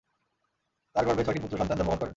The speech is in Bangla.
তাঁর গর্ভে ছয়টি পুত্র সন্তান জন্মগ্রহণ করেন।